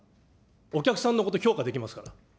お客さんのこと評価できますか。